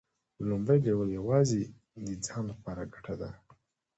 لومړی لیول یوازې د ځان لپاره ګټه ده.